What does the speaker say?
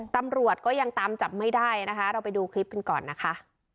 ตำรวจก็ยังตามจับไม่ได้นะคะเราไปดูคลิปกันก่อนนะคะ